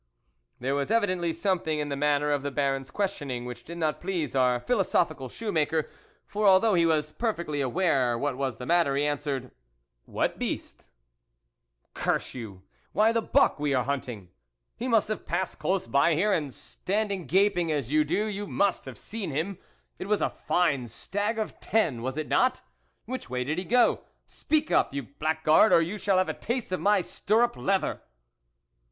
" There was evidently something in the manner of the Baron's questioning which did not please our philosophical shoe maker, for although he was perfectly aware what was the matter, he answered :" what beast ?"" Curse you ! why, the buck we are hunting ! He must have passed close by here, and standing gaping as you do, you must have seen him. It was a fine stag of ten, was it not ? Which way did he go ? Speak up, you blackguard, or you shall have a taste of my stirrup leather